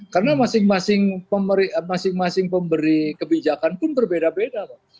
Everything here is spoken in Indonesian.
karena masing masing pemberi kebijakan pun berbeda beda pak